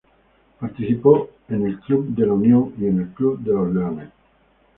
Participó del Club de La Unión y del Club de Leones.